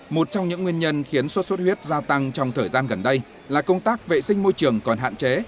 một trong những nguyên nhân khiến sốt xuất huyết gia tăng trong thời gian gần đây là công tác vệ sinh môi trường còn hạn chế